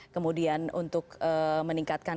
kemudian untuk meningkatkan